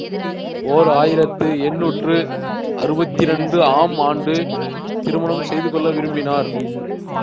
ஓர் ஆயிரத்து எண்ணூற்று அறுபத்திரண்டு ஆம் ஆண்டு திருமணம் செய்து கொள்ள விரும்பினார்.